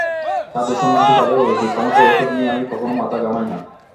সাধু-সন্ন্যাসী, তাঁদের অলৌকিক ক্ষমতা এইসব নিয়ে আমি কখনো মাথা ঘামাই না।